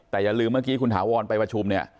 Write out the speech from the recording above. แต่อย่าลืมเมื่อกี้คุณถาวรไปประชุมเนี่ย